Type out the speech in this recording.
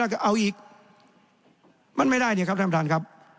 แสดงว่าความทุกข์มันไม่ได้ทุกข์เฉพาะชาวบ้านด้วยนะ